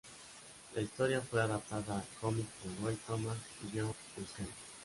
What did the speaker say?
La historia fue adaptada a cómic por Roy Thomas y John Buscema.